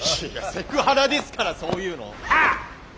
いやセクハラですからそういうの！は！